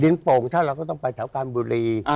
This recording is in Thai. โป่งถ้าเราก็ต้องไปแถวการบุรี